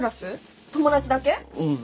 うん。